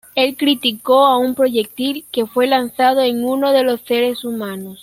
Él criticó a un proyectil que fue lanzado en uno de los seres humanos.